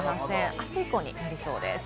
あす以降になりそうです。